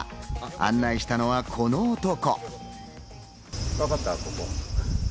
案内したのはこの男。